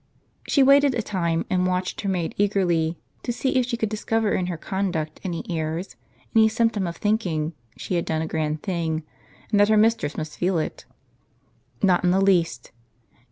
She waited a time, and watched her maid eagerly, to see if she could discover in her conduct any airs, any symptom of think ing she had done a grand thing, and that her mistress must feel it. Not in the least.